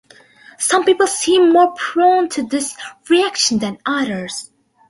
Some people seem more prone to this reaction than others.